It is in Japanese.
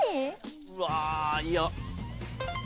うわいや。